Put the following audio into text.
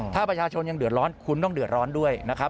ถ้าประชาชนยังเดือดร้อนคุณต้องเดือดร้อนด้วยนะครับ